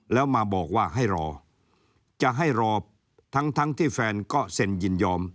แล้วมาบอกว่าให้รอจะให้รอทั้งที่แฟนก็เซ็นยินยอม